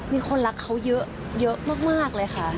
มีคนรักเขาเยอะมากเลยค่ะ